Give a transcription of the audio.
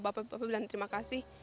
bapak bapak bilang terima kasih